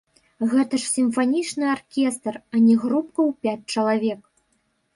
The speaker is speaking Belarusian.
Гэта ж сімфанічны аркестр, а не групка ў пяць чалавек!